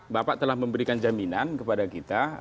bapak telah memberikan jaminan kepada kita